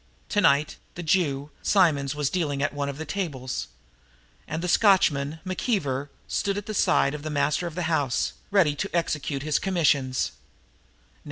Tonight the Jew, Simonds, was dealing at one of the tables, and the Scotchman, McKeever, stood at the side of the master of the house, ready to execute his commissions.